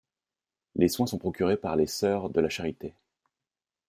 Les soins sont procurés par les Sœurs de la Charité.